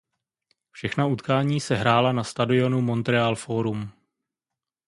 Všechna utkání se hrála na stadionu Montreal Forum.